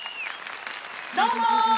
どうも！